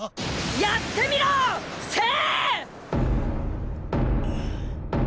やってみろ政！！